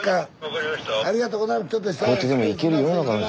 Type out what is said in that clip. ありがとうございます。